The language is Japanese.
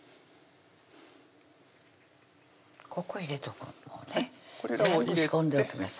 ここに入れとくもうね全部仕込んでおきます